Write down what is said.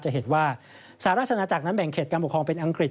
จะเห็นว่าสหราชนาจักรนั้นแบ่งเขตการปกครองเป็นอังกฤษ